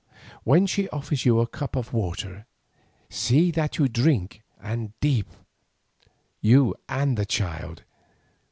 When she offers you the cup of water, see that you drink and deep, you and the child.